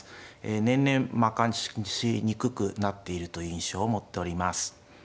年々負かしにくくなっているという印象を持っております。